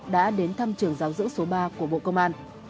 đã đến thăm trường giáo dưỡng số ba của bộ công an